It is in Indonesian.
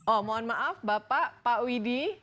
oh mohon maaf bapak pak widhi